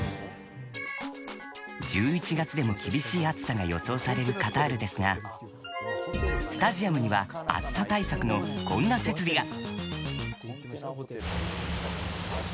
１１月でも厳しい暑さが予想されるカタールですがスタジアムには暑さ対策のこんな設備が！